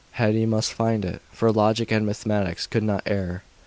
And he must find it for logic and mathematics could not err.